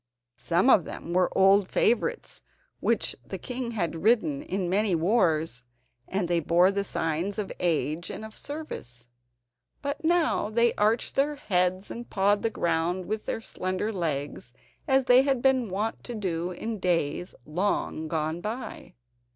Some of them were old favourites which the king had ridden in many wars, and they bore the signs of age and of service. But now they arched their heads, and pawed the ground with their slender legs as they had been wont to do in days long gone by.